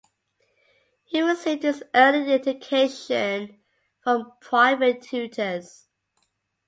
He received his early education from private tutors.